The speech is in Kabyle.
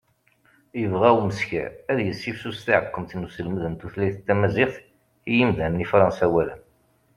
yebɣa umeskar ad yessifsus taɛekkumt n uselmed n tutlayt tamaziɣt i yimdanen ifransawalen